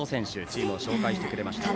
チームを紹介してくれました。